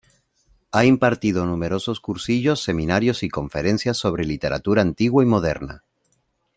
Ha impartido numerosos cursillos, seminarios y conferencias sobre literatura antigua y moderna.